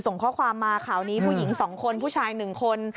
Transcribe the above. ส่งข้อความมาข่าวนี้ผู้หญิง๒คนผู้ชาย๑คน